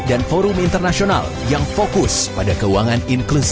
ini adalah forum internasional yang fokus pada keuangan inklusif